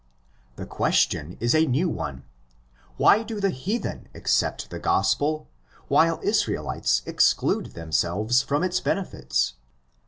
The question is a new one: Why do the heathen accept the Gospel, while Israelites exclude themselves from its benefits?